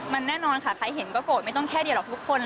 มันแน่นอนค่ะใครเห็นก็โกรธไม่ต้องแค่เดียวหรอกทุกคน